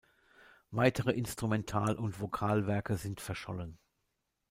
Weitere Instrumental- und Vokalwerke sind verschollen.